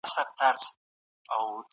باطل هیڅ چيري تلپاته نه وي.